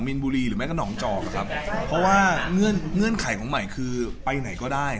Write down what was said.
แม้ก็น้องจอกครับเพราะว่าเงื่อนไขของใหม่คือไปไหนก็ได้